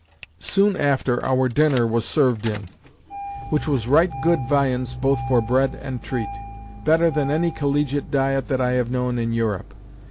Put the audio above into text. Soon after our dinner was served in; which was right good viands, both for bread and treat: better than any collegiate diet, that I have known in Europe.